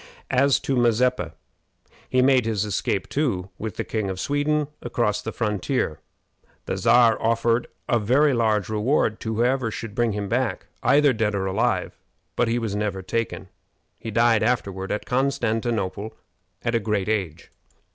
As to Mazeppa, he made his escape too, with the King of Sweden, across the frontier. The Czar offered a very large reward to whoever should bring him back, either dead or alive; but he never was taken. He died afterward at Constantinople at a great age.